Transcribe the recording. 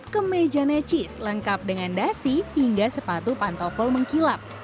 kemeja necis lengkap dengan dasi hingga sepatu pantopol mengkilap